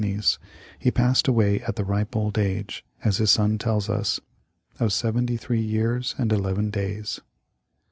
yi neys, he passed away at the ripe old age — as his son tells us — of " seventy three years and eleven days."